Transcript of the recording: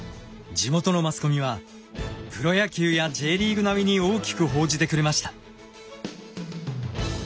地元のマスコミはプロ野球やＪリーグ並みに大きく報じてくれました。